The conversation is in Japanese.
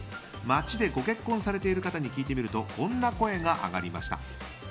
街でご結婚されている方に聞いてみるとこんな声が上がりました。